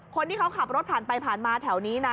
คนที่เขาขับรถผ่านไปผ่านมาแถวนี้นะ